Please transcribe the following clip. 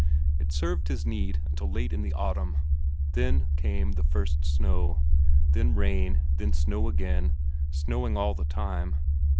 It served his need until late in the autumn; then came the first snow, then rain, then snow again, snowing all the time.